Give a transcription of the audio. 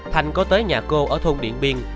thành có tới nhà cô ở thôn điện biên